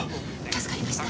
助かりました。